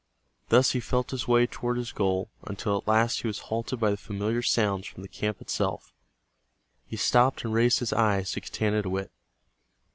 Thus he felt his way toward his goal, until at last he was halted by the familiar sounds from the camp itself. He stopped and raised his eyes to Getanittowit.